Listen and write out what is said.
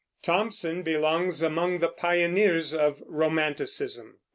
Thomson belongs among the pioneers of Romanticism.